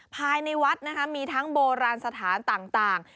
ภายในวัดนะคะมีทั้งโบราณสถานต่าง